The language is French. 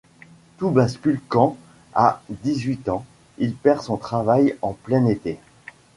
Tout bascule quand, à dix-huit ans, il perd son travail en plein été.